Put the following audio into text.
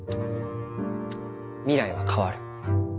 未来は変わる。